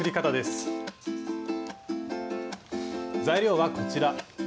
材料はこちら。